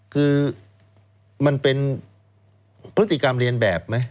คือมันเป็นพฤติกรรมเรียนแบบไหม